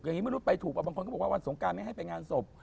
อย่างนี้ไม่รู้ไปถูกบางคนก็บอกว่าวันสงการไม่ให้ไปงานศพ